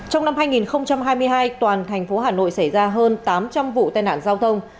trong năm hai nghìn hai mươi hai toàn thành phố hà nội xảy ra hơn tám trăm linh vụ tai nạn giao thông